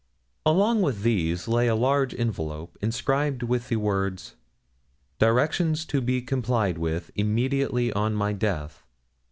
Along with these lay a large envelope, inscribed with the words 'Directions to be complied with immediately on my death.'